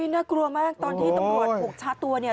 น่ากลัวมากตอนที่ตำรวจถูกชาร์จตัวเนี่ย